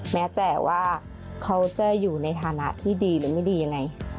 แม้แต่ว่าเขาจะอยู่ในฐานะที่ดีหรือไม่ดียังไง